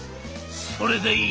それでいい」。